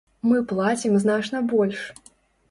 Мы плацім значна больш.